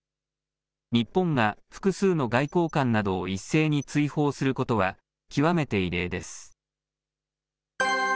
日本が複数の外交官などを一斉に追放することは、極めて異例です。